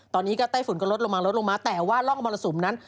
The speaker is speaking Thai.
ตอนนี้ก็ไต้ฝุ่นก็ลดลงมาลดลงมาแต่ว่าร่องมรสุมนั้น